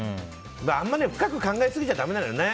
あんま深く考えすぎちゃだめなんだよね。